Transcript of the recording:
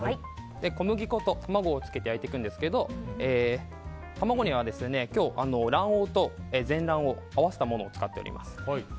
小麦粉と卵をつけて焼いていくんですけど卵には今日卵黄と全卵を合わせたものを使っております。